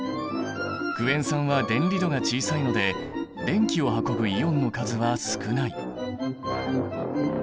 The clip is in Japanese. クエン酸は電離度が小さいので電気を運ぶイオンの数は少ない。